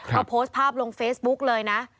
ก็โพสต์ภาพลงเฟซบุ๊กเลยนะ